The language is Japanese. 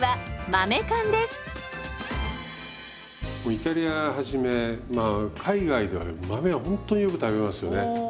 イタリアはじめまあ海外では豆はほんとによく食べますよね。